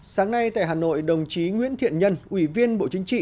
sáng nay tại hà nội đồng chí nguyễn thiện nhân ủy viên bộ chính trị